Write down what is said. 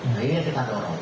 nah ini yang kita dorong